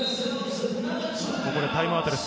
ここでタイムアウトです。